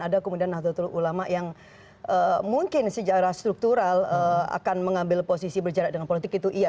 ada kemudian nahdlatul ulama yang mungkin secara struktural akan mengambil posisi berjarak dengan politik itu iya